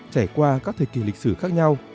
trải qua các thời kỳ lịch sử khác nhau